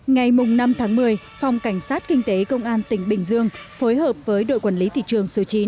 ngày năm tháng một mươi phòng cảnh sát kinh tế công an tỉnh bình dương phối hợp với đội quản lý thị trường số chín